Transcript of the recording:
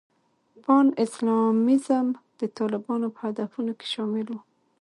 پان اسلامیزم د طالبانو په هدفونو کې شامل و.